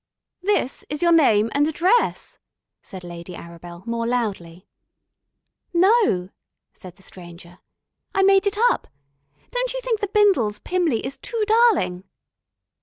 "This is your name and address," said Lady Arabel more loudly. "No," said the Stranger. "I made it up. Don't you think 'The Bindles, Pymley,' is too darling?"